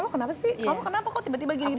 loh kenapa sih kamu kenapa kok tiba tiba gini